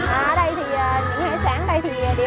ở đây thì những hải sản ở đây thì đều sống hết